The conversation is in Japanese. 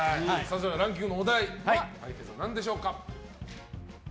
それではランキングのお題は何でしょうか。